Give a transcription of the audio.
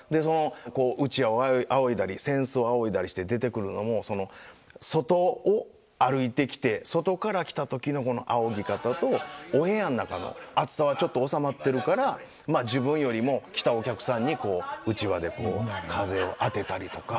うちわをあおいだり扇子をあおいだりして出てくるのも外を歩いてきて外から来た時のあおぎ方とお部屋ん中の暑さはちょっと収まってるからまあ自分よりも来たお客さんにうちわでこう風を当てたりとか。